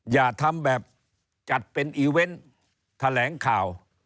อย่าทำแบบจัดเป็นอีเวนต์แถลงข่าว